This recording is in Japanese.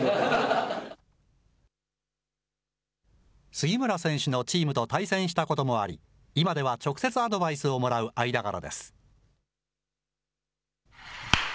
杉村選手のチームと対戦したこともあり、今では直接アドバイスをもらう間柄です。